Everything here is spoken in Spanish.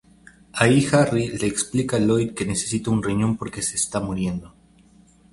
Ahí Harry le explica a Lloyd que necesita un riñón porque se está muriendo.